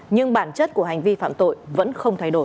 nhưng bản chất của hành vi phạm tội vẫn không thay đổi